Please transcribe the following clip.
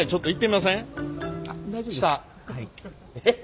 えっ？